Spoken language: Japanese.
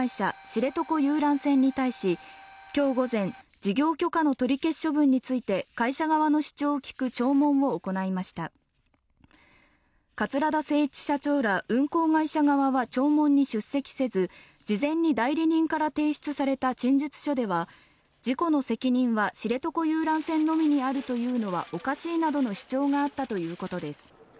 知床遊覧船に対し今日午前事業許可の取り消し処分について会社側の主張を聞く聴聞を行いました桂田精一社長ら運航会社側は聴聞に出席せず事前に代理人から提出された陳述書では事故の責任は知床遊覧船のみにあるというのはおかしいなどの主張があったということです